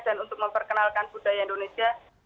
dan untuk memperkenalkan budaya indonesia